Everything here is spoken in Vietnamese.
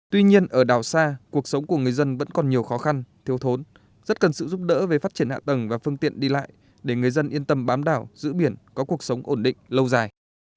tuy nhiên ở đảo xa cuộc sống của người dân vẫn còn nhiều khó khăn thiếu thốn rất cần sự giúp đỡ về phát triển hạ tầng và phương tiện đi lại để người dân yên tâm bám đảo giữ biển có cuộc sống ổn định lâu dài